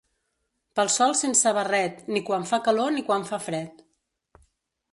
Pel sol, sense barret, ni quan fa calor ni quan fa fred.